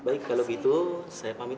baik kalau gitu saya pamit